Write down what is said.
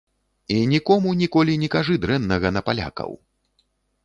І нікому ніколі не кажы дрэннага на палякаў.